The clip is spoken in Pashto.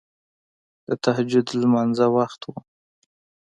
د تهجد لمانځه وخت وو.